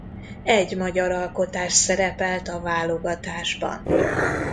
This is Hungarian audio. Egy magyar alkotás szerepelt a válogatásban.